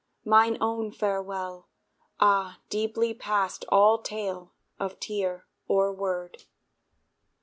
Mine own farewell, ah! deeply past All tale of tear or word.